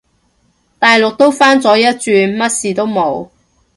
大陸都返咗一轉，乜事都冇